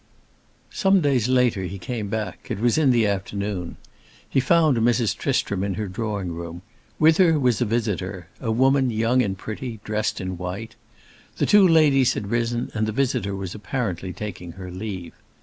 Some days later he came back; it was in the afternoon. He found Mrs. Tristram in her drawing room; with her was a visitor, a woman young and pretty, dressed in white. The two ladies had risen and the visitor was apparently taking her leave.